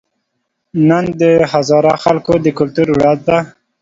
نن د هزاره خلکو د کلتور ورځ ده